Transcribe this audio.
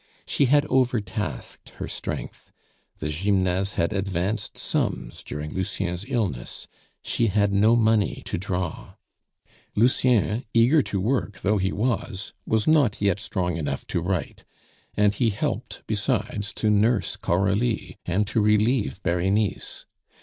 She had overtasked her strength. The Gymnase had advanced sums during Lucien's illness, she had no money to draw; Lucien, eager to work though he was, was not yet strong enough to write, and he helped besides to nurse Coralie and to relieve Berenice.